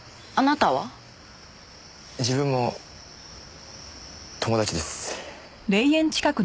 自分も友達です。